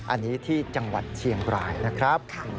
อันนี้ที่จังหวัดเชียงรายนะครับ